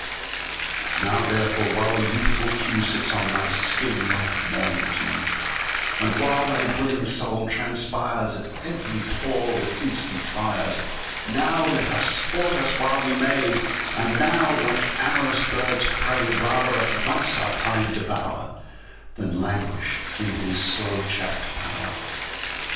Now therefore, while the youthful hewSits on thy skin like morning [dew]And while thy willing Soul transpiresAt every pore with instant Fires, Now let us sport us while we may; And now, like am'rous birds of prey, Rather at once our Time devour, Than languish in his slow chapt pow'r.